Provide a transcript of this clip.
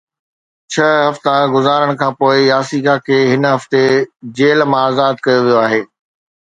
ڇهه هفتا گذارڻ کانپوءِ ياسيڪا کي هن هفتي جيل مان آزاد ڪيو ويو آهي